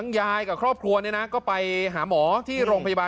นี่